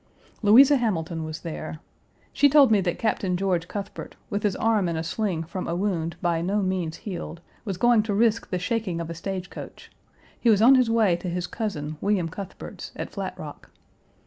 Louisa Hamilton was there. She told me that Captain George Cuthbert, with his arm in a sling from a wound by no means healed, was going to risk the shaking of a stagecoach; he was on his way to his cousin, William Cuthbert's, at Flat Rock.